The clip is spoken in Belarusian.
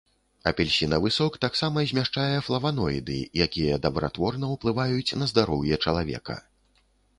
Апельсінавы сок таксама змяшчае флаваноіды, якія дабратворна ўплываюць на здароўе чалавека.